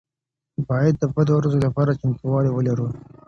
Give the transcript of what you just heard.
باید د بدو ورځو لپاره چمتووالی ولرو.